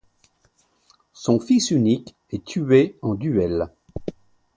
Son fils unique est tué en duel.